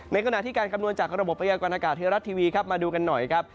ในขณะที่การคำนวณจากระบบประเยินการอากาศเทวรัฐทีวีมาดูกันหน่อยครับ